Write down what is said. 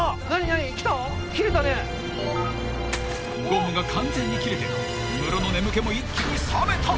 ［ゴムが完全に切れてムロの眠気も一気に覚めた］